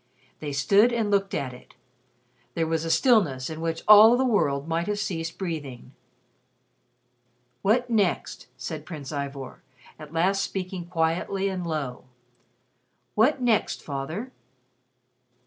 They stood and looked at it. There was a stillness in which all the world might have ceased breathing. "What next?" said Prince Ivor, at last speaking quietly and low. "What next, Father?"